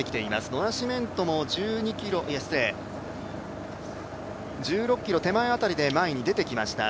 ドナシメントも１６ｋｍ手前辺りで前に出てきました。